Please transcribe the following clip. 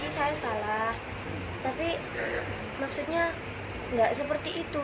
saya salah tapi maksudnya nggak seperti itu